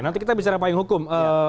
nanti kita bicara payung hukum